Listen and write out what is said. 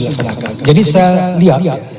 dilaksanakan jadi saya lihat